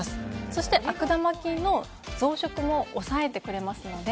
そして悪玉菌の増殖も抑えてくれますので。